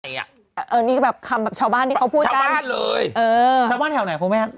นี่คือแบบคำแบบชาวบ้านที่เขาพูดกันชาวบ้านเลยชาวบ้านแถวไหนครับพูดไหมครับ